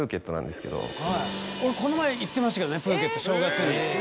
俺この前行ってましたけどねプーケット正月に。